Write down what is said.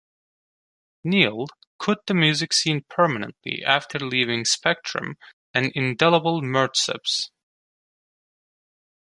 Neale quit the music scene permanently after leaving Spectrum and Indelible Murtceps.